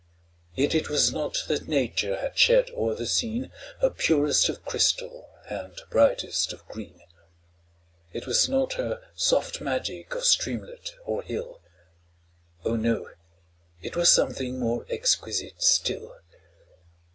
Yet it was not that nature had shed o'er the scene Her purest of crystal and brightest of green; 'Twas not her soft magic of streamlet or hill, Oh! no—it was something more exquisite still.